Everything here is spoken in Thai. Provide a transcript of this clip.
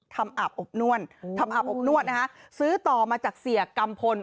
ทำอาบอบนวลซื้อต่อมาจากเสียกรรมพล